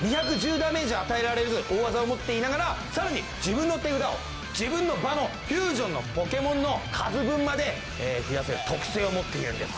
ダメージ与えられる大ワザを持っていながら更に自分の手札を自分の場のフュージョンのポケモンの数分まで増やせる特性を持っているんです。